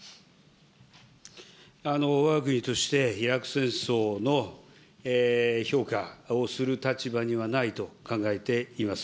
わが国としてイラク戦争の評価をする立場にはないと考えています。